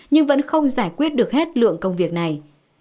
nhưng vẫn không giải quyết được hết lượng công việc này